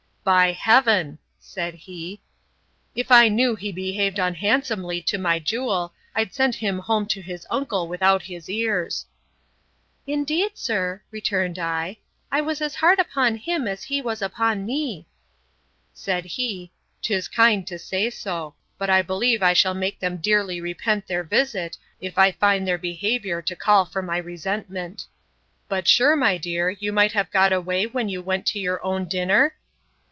By Heaven! said he, if I knew he behaved unhandsomely to my jewel, I'd send him home to his uncle without his ears. Indeed, sir, returned I, I was as hard upon him as he was upon me. Said he, 'Tis kind to say so; but I believe I shall make them dearly repent their visit, if I find their behaviour to call for my resentment. But, sure, my dear, you might have got away when you went to your own dinner?